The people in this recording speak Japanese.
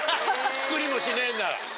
作りもしねえんなら。